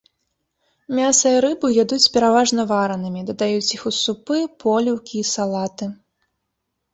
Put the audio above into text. Мяса і рыбу ядуць пераважна варанымі, дадаюць іх у супы, поліўкі і салаты.